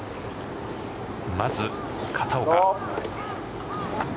まず片岡。